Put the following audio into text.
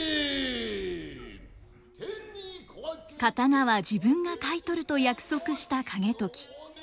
刀は自分が買い取ると約束した景時。